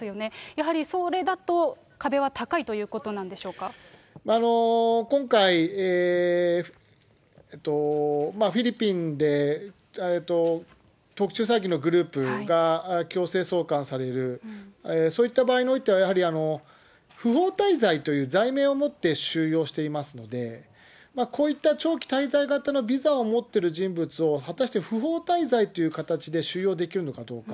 やはりそれだと、壁は高いという今回、フィリピンで特殊詐欺のグループが強制送還される、そういった場合においては、やはり、不法滞在という罪名をもって収容してますので、こういった長期滞在型のビザを持ってる人物を、果たして不法滞在という形で収容できるのかどうか。